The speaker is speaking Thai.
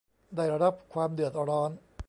ได้รับความเดือดร้อน